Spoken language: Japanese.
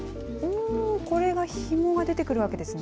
これは、ひもが出てくるわけですね。